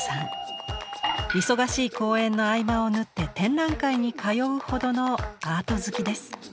忙しい公演の合間を縫って展覧会に通うほどのアート好きです。